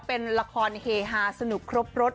เป็นละครเฮฮาสนุกครบรถ